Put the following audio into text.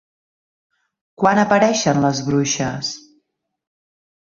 Quan apareixen les bruixes?